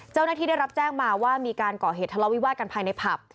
เจ้าหน้าที่ได้รับแจ้งมาว่ามีการก่อเหตุทะเลาวิวาสกันภายในผับ